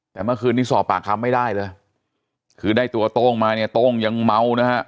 แต่เมื่อคืนนี้สอบปากคำไม่ได้เลยคือได้ตัวโต้งมาเนี่ยโต้งยังเมานะฮะ